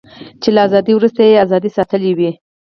چې له ازادۍ وروسته یې ازادي ساتلې وي.